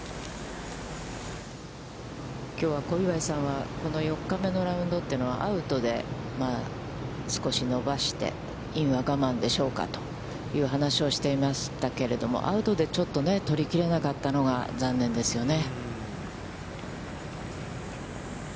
きょうは小祝さんは、この４日目のラウンドは、アウトで、少し伸ばしてインは我慢でしょうかという話をしていましたけれども、アウトでちょっと取り切れなかったのが残念ですよね。